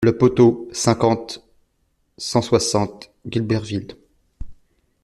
Le Poteau, cinquante, cent soixante Guilberville